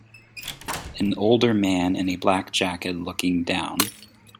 An older man in a black jacket looking down